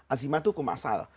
azimah itu hukum asal